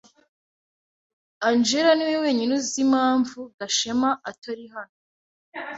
Angella niwe wenyine uzi impamvu Gashema atari hano.